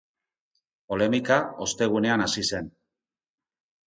Polemika ostegunean hasi zen.